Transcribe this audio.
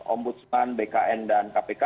om budsman bkn dan kpk